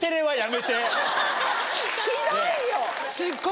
ひどいよ。